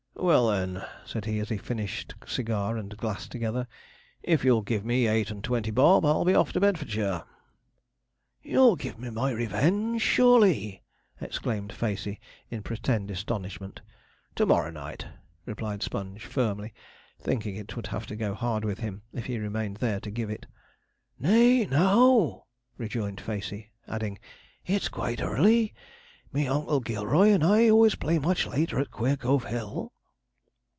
'Well, then,' said he, as he finished cigar and glass together, 'if you'll give me eight and twenty bob, I'll be off to Bedfordshire.' 'You'll give me my revenge surely!' exclaimed Facey, in pretended astonishment. 'To morrow night,' replied Sponge firmly, thinking it would have to go hard with him if he remained there to give it. 'Nay, now!' rejoined Facey, adding, 'it's quite early. Me Oncle Gilroy and I always play much later at Queercove Hill.'